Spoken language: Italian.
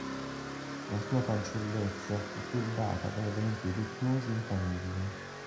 La sua fanciullezza fu turbata da eventi luttuosi in famiglia.